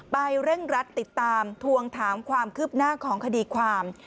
เร่งรัดติดตามทวงถามความคืบหน้าของคดีความ